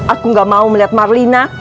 aku gak mau melihat marlina